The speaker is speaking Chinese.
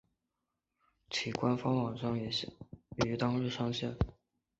其官方网站也于当日上线。